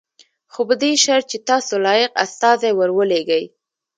خو په دې شرط چې تاسو لایق استازی ور ولېږئ.